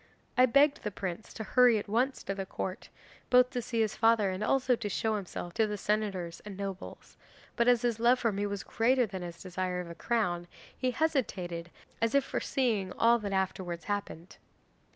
I begged the prince to hurry at once to the Court, both to see his father and also to show himself to the senators and nobles, but as his love for me was greater than his desire of a crown, he hesitated as if foreseeing all that afterwards happened.